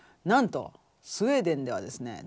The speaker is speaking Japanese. なんとスウェーデンではですね